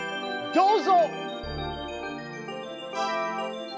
どうぞ！